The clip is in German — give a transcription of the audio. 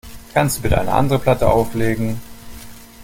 Kannst du bitte eine andere Platte auflegen?